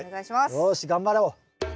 よし頑張ろう。